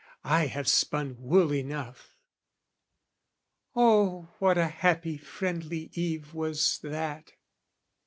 I have spun wool enough." Oh what a happy friendly eve was that!